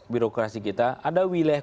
birokrasi kita ada wilayah